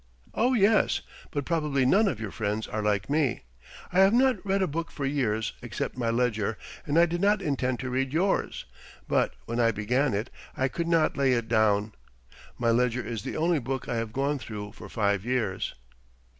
"Oh, yes, but probably none of your friends are like me. I have not read a book for years except my ledger and I did not intend to read yours, but when I began it I could not lay it down. My ledger is the only book I have gone through for five years."